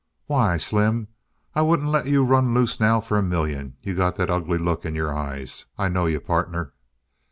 "Why, Slim, I wouldn't let you run loose now for a million. You got that ugly look in your eyes. I know you, partner!"